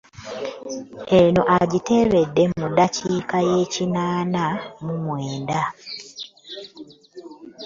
Eno agiteebedde mu ddakiika y'ekinaana mu mwenda.